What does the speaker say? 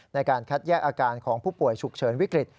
ในการคัดแยกอาการของผู้ป่วยฉุกเฉินวิกฤต